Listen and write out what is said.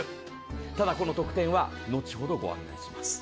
ただその特典は後ほどご案内します。